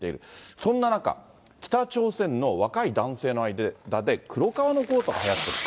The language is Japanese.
そんな中、北朝鮮の若い男性の間で、黒革のコートはやってると。